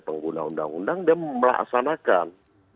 pengguna undang undang dia melaksanakan